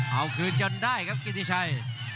เอาคืนจนได้ครับกิติชัย